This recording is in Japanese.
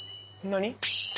何？